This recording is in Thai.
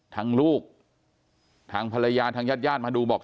ทางลูกทางภรรยาทางญาติย่าดมาดูบอก